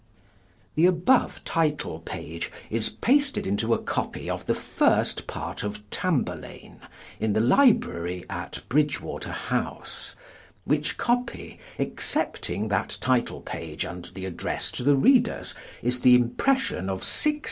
The above title page is pasted into a copy of the FIRST PART OF TAMBURLAINE in the Library at Bridge water House; which copy, excepting that title page and the Address to the Readers, is the impression of 1605.